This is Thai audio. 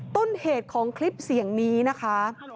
ต้นเหตุของคลิปเสียงนี้นะคะ